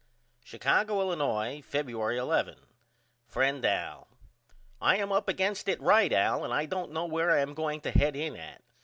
Chicago, Illinois, Febueiy 11. FRIEND AL: I am up against it right Al and I don't know where I am going to head in at.